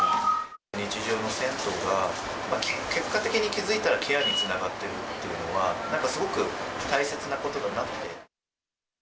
日常の銭湯が、結果的に気付いたらケアにつながっているというのは、なんかすごく大切なことだなって。